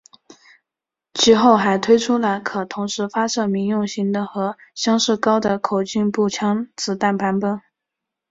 其后还推出了可同时发射民用型的和相似高的口径步枪子弹版本。